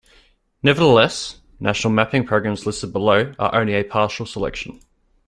Nevertheless, national mapping programs listed below are only a partial selection.